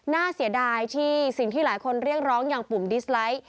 น่าเสียดายที่สิ่งที่หลายคนเรียกร้องอย่างปุ่มดิสไลด์